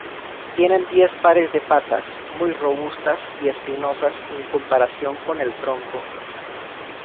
Tienen diez pares de patas, muy robustas y espinosas en comparación con el tronco.